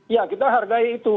ya kita hargai itu